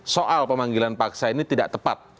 soal pemanggilan paksa ini tidak tepat